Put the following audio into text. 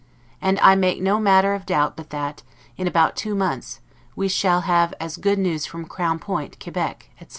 And I make no manner of doubt but that, in about two months, we shall have as good news from Crown point, Quebec, etc.